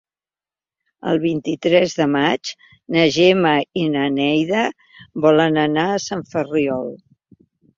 El vint-i-tres de maig na Gemma i na Neida volen anar a Sant Ferriol.